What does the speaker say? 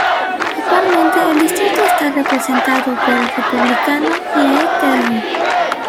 Actualmente el distrito está representado por el Republicano Lee Terry.